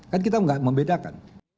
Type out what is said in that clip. kan kita nggak membedakan